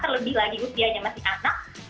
terlebih lagi usianya masih anak